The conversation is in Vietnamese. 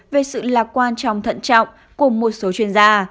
về sự lạc quan trong thận trọng của một số chuyên gia